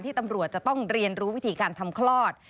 ตำรวจจะต้องเรียนรู้วิธีการทำคลอด